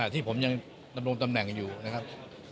ที่ผมยังดำรงตำแหน่งอยู่นะครับ